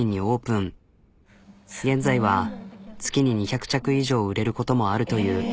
現在は月に２００着以上売れることもあるという。